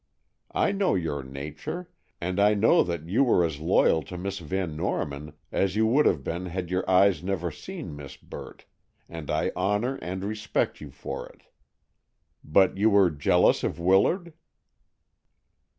I know your nature, and I know that you were as loyal to Miss Van Norman as you would have been had you never seen Miss Burt, and I honor and respect you for it. But you were jealous of Willard?"